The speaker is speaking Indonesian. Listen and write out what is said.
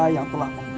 yang telah mengubah